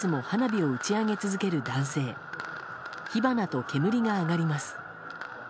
火花と煙が上がります。